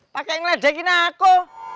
pakai yang lezat gini aku